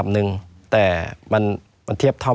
ไม่มีครับไม่มีครับ